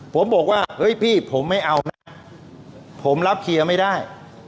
ผมบอกว่าเฮ้ยพี่ผมไม่เอานะผมรับเคลียร์ไม่ได้